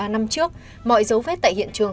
năm trước mọi dấu vết tại hiện trường